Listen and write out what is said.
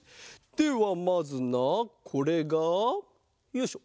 ではまずなこれがよいしょ。